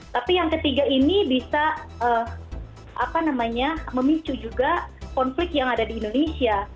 tapi yang ketiga ini bisa memicu juga konflik yang ada di indonesia